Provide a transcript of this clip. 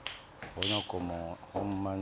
この子もうほんまに。